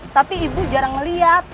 tapi ibu jarang melihat